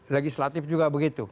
legislatif juga begitu